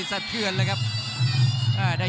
กรรมการเตือนทั้งคู่ครับ๖๖กิโลกรัม